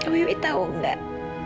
wuih tau gak